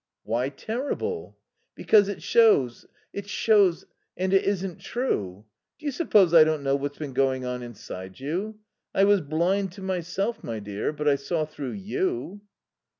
"Why terrible?" "Because it shows it shows And it isn't true. Do you suppose I don't know what's been going on inside you? I was blind to myself, my dear, but I saw through you."